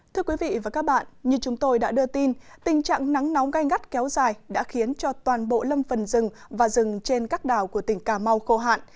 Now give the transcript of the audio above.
thưa quý vị và các bạn như chúng tôi đã đưa tin tình trạng nắng nóng gai gắt kéo dài đã khiến cho toàn bộ lâm phần rừng và rừng trên các đảo của tỉnh cà mau khô hạn